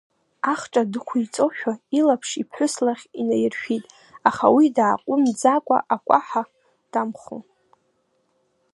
Ахҿа дәықәиҵошәа илаԥш иԥҳәыс лахь инаиршәит, аха уи дааҟәымҵӡакәа акәаҳа дамхон.